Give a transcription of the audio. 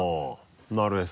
なるへそ。